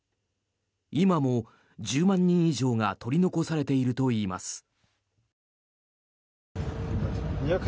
今も１０万人以上が取り残されているといいます。